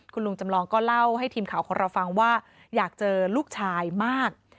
คุณลุงจำลองก็เล่าให้ทีมข่าวของเราฟังว่าอยากเจอลูกชายมาก